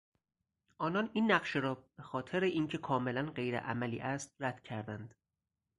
آنان این نقشه را به خاطر اینکه کاملا غیرعملی است رد کردند.